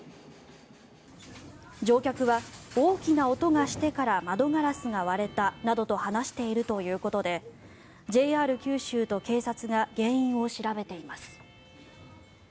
乗客は大きな音がしてから窓ガラスが割れたなどと話しているということでＪＲ九州と警察が原因を調べています。